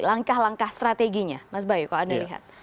langkah langkah strateginya mas bayu kalau anda lihat